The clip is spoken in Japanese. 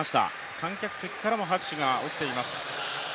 観客席からも拍手が起きています。